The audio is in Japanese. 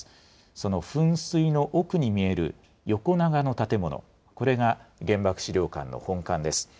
その噴水の奥に見える横長の建物、これが原爆資料館の本館です。